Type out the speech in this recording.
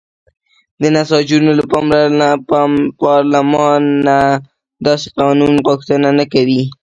نساجانو له پارلمانه داسې قانون غوښتنه وکړه.